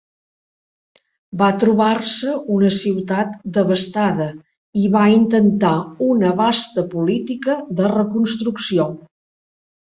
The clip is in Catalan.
Va trobar-se una ciutat devastada, i va intentar una vasta política de reconstrucció.